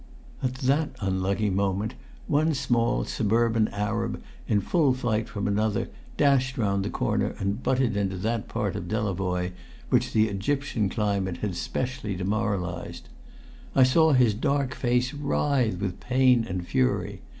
At that unlucky moment, one small suburban Arab, in full flight from another, dashed round the corner and butted into that part of Delavoye which the Egyptian climate had specially demoralised. I saw his dark face writhe with pain and fury.